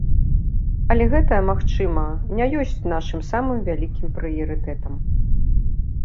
Але гэта, магчыма, не ёсць нашым самым вялікім прыярытэтам.